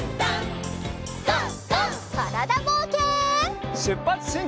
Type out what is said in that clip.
からだぼうけん。